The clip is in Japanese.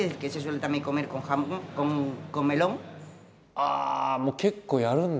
ああもう結構やるんだ